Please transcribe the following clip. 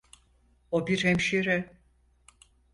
O bir hemşire.